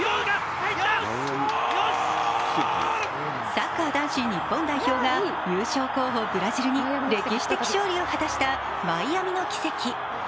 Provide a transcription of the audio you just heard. サッカー男子日本代表が優勝候補・ブラジルに歴史的勝利を果たしたマイアミの奇跡。